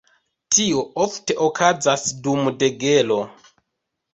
Tio ofte okazas dum degelo.